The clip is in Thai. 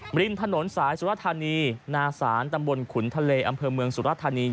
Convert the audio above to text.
ริมถนนสายสุรธานีนาศาลตำบลขุนทะเลอำเภอเมืองสุรธานี